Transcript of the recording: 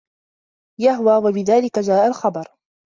يَهْوَى ، وَبِذَلِكَ جَاءَ الْخَبَرُ